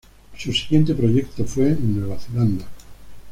Su siguiente proyecto fue en Nueva Zelanda.